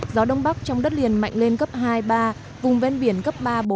gió đông bắc trong đất liền mạnh lên cấp hai ba vùng ven biển cấp ba bốn